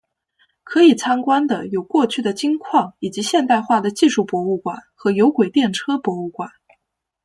可以参观的有过去的金矿以及现代化的技术博物馆和有轨电车博物馆。